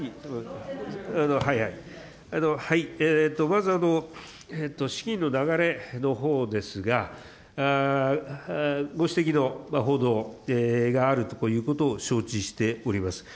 まず資金の流れのほうですが、ご指摘の報道があるということを承知しております。